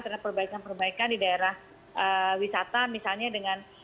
terhadap perbaikan perbaikan di daerah wisata misalnya dengan